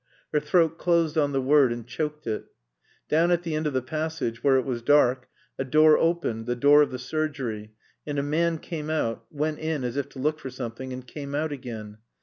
Her throat closed on the word and choked it. Down at the end of the passage, where it was dark, a door opened, the door of the surgery, and a man came out, went in as if to look for something, and came out again.